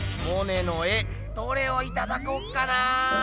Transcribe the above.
モネの絵どれをいただこうかな？